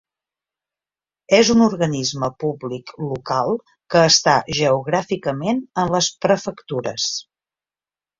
És un organisme públic local que està geogràficament en les prefectures.